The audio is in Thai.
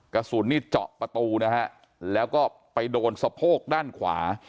กระสุนนี่เจาะประตูนะฮะแล้วก็ไปโดนสะโพกด้านขวา